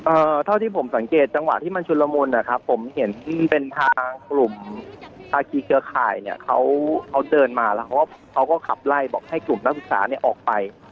เท่าที่ผมสังเกตจังหวะที่มันชุนละมุนนะครับผมเห็นเป็นทางกลุ่มภาคีเครือข่ายเนี่ยเขาเขาเดินมาแล้วเขาก็เขาก็ขับไล่บอกให้กลุ่มนักศึกษาเนี่ยออกไป